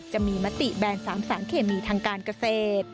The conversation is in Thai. จะมีมติแบน๓สารเคมีทางการเกษตร